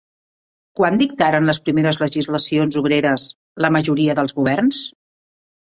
Quan dictaren les primeres legislacions obreres la majoria dels governs?